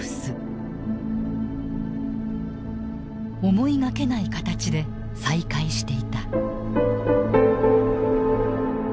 思いがけない形で再会していた。